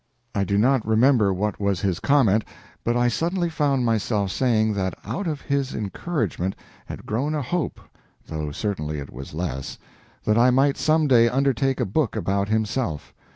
I do not remember what was his comment, but I suddenly found myself saying that out of his encouragement had grown a hope (though certainly it was less), that I might some day undertake a book about himself.